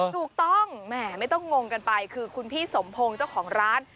แหมไม่ต้องงงกันไปคือคุณพี่สมพงศ์เจ้าของร้าน